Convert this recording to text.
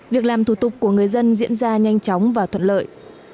việc làm thủ tục của người dân diễn ra nhanh chóng và thuận lợi